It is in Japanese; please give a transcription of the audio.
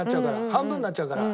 半分になっちゃうから。